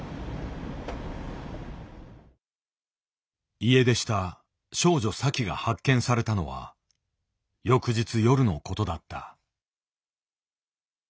家出した少女サキが発見されたのは翌日夜のことだった。